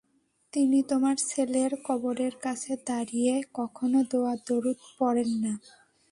তিনি তোমার ছেলের কবরের কাছে দাঁড়িয়ে কখনো দোয়া-দরুদ পড়েন না।